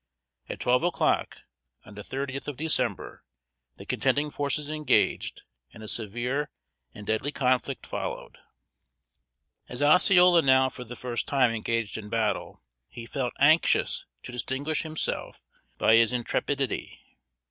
At twelve o'clock, on the thirtieth of December, the contending forces engaged, and a severe and deadly conflict followed. As Osceola now for the first time engaged in battle, he felt anxious to distinguish himself by his intrepidity.